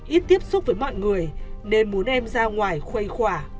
ít tiếp xúc với mọi người nên muốn em ra ngoài khuây khỏa